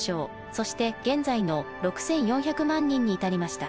そして現在の６，４００万人に至りました。